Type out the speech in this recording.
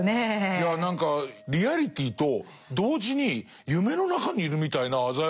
いや何かリアリティーと同時に夢の中にいるみたいな鮮やかさと。